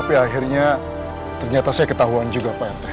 tapi akhirnya ternyata saya ketahuan juga pak henry